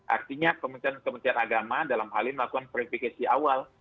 artinya kementerian agama dalam hal ini melakukan verifikasi awal